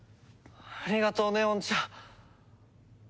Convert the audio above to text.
ありがとう祢音ちゃん。